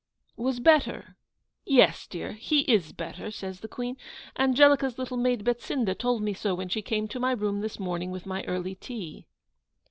..' 'Was better? Yes, dear, he is better,' says the Queen. 'Angelica's little maid, Betsinda, told me so when she came to my room this morning with my early tea.